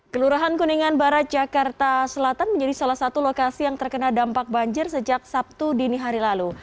kelurahan kuningan barat jakarta selatan menjadi salah satu lokasi yang terkena dampak banjir sejak sabtu dini hari lalu